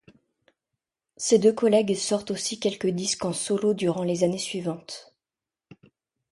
Ses deux collègues sortent aussi quelques disques en solo durant les années suivantes.